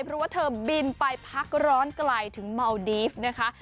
เพราะว่าเธอบินไปพักร้อนไกลถึงเมาดีฟนะคะ